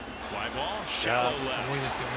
すごいですよね。